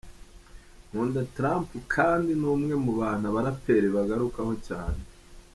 Nkunda Trump kandi ni umwe mu bantu abaraperi bagarukaho cyane.